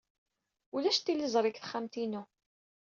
Ulac tiliẓri deg texxamt-inu.